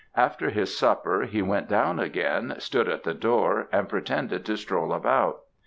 After his supper, he went down again, stood at the door, and pretended to stroll about.